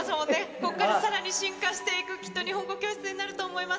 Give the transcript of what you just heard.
ここからさらに進化していく、きっと日本語教室になると思います。